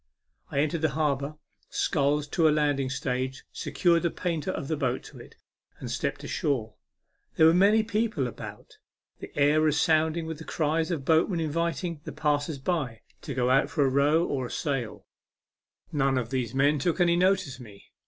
I entered the harbour, sculled to a landing stage, secured the painter of the boat to it, and stepped ashore. There were many people about; the air resounded with the cries of boatmen inviting the passers by to go out for a row or a sail. 92 A MEMORABLE SWIM. None of these men took any notice of me.